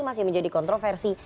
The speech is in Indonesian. masih menjadi kontroversi